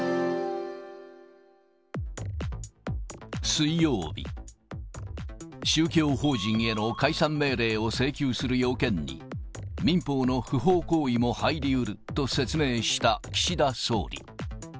水曜日、宗教法人への解散命令を請求する要件に、民法の不法行為も入りうると説明した岸田総理。